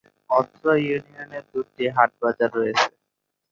অত্র ইউনিয়নে দুটি হাটবাজার রয়েছে।